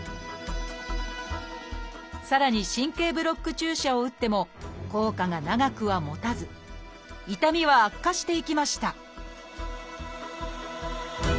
さらに神経ブロック注射を打っても効果が長くはもたず痛みは悪化していきました